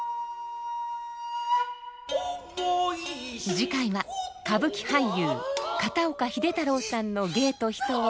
次回は歌舞伎俳優片岡秀太郎さんの芸と人を振り返ります。